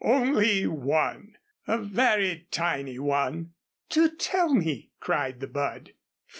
"Only one a very tiny one." "Do tell me," cried the bud.